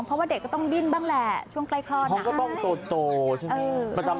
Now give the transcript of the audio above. เพราะว่าเด็กก็ต้องดิ้นบ้างแหละช่วงไกลครอดอะ